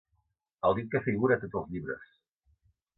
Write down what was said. El dit que figura a tots els llibres.